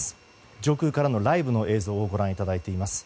上空からのライブの映像をご覧いただいています。